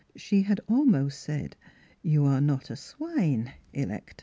She had almost said, " You are not a swine, Electa."